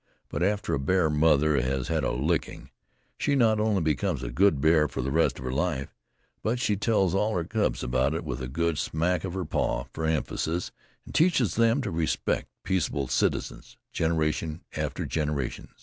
But after a bear mother has had a licking, she not only becomes a good bear for the rest of her life, but she tells all her cubs about it with a good smack of her paw, for emphasis, and teaches them to respect peaceable citizens generation after generation.